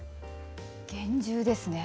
厳重ですね。